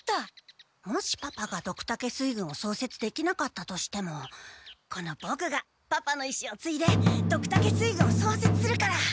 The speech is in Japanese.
もしパパがドクタケ水軍をそうせつできなかったとしてもこのボクがパパのいしをついでドクタケ水軍をそうせつするから！